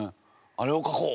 「あれを書こう！」。